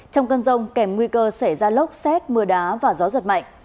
trong cơn rông kèm nguy cơ xảy ra lốc xét mưa đá và gió giật mạnh